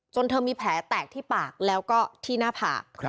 เธอมีแผลแตกที่ปากแล้วก็ที่หน้าผาก